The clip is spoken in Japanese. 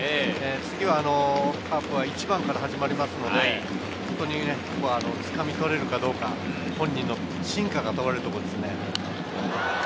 次はカープは１番から始まりますので、掴み取れるかどうか、本人の真価が問われるところですね。